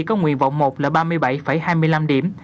có nguyện vọng một là ba mươi bảy hai mươi năm điểm